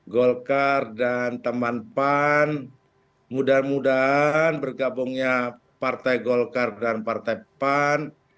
golkar dan teman pan mudah mudahan bergabungnya partai golkar dan partai pan